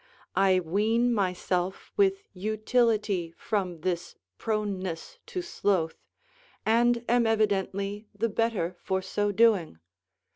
I wean myself with utility from this proneness to sloth, and am evidently the better for so doing.